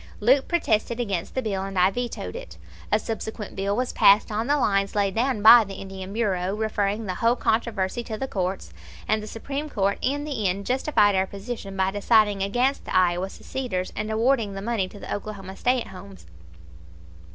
Leupp protested against the bill, and I vetoed it. A subsequent bill was passed on the lines laid down by the Indian Bureau, referring the whole controversy to the courts, and the Supreme Court in the end justified our position by deciding against the Iowa seceders and awarding the money to the Oklahoma stay at homes.